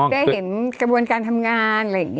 ได้เห็นกระบวนการทำงาน